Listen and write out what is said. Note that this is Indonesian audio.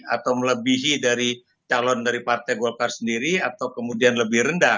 atau melebihi dari calon dari partai golkar sendiri atau kemudian lebih rendah